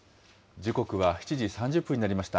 時刻は７時３０分になりました。